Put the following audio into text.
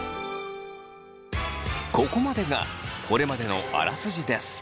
ここまでがこれまでのあらすじです。